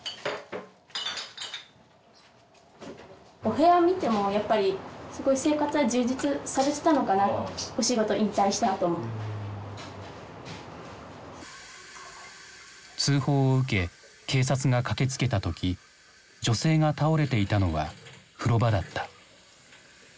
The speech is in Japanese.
お部屋見てもやっぱり通報を受け警察が駆けつけた時女性が倒れていたのは風呂場だった。